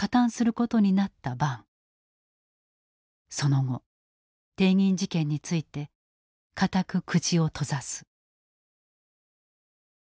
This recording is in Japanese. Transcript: その後帝銀事件について固く口を閉ざす。